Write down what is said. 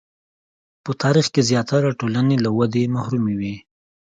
په تاریخ کې زیاتره ټولنې له ودې محرومې وې.